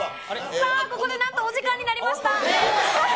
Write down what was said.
さあ、ここでなんとお時間になりました。